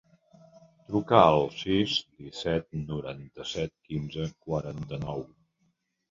Truca al sis, disset, noranta-set, quinze, quaranta-nou.